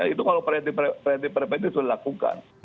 itu kalau preventive preventive sudah dilakukan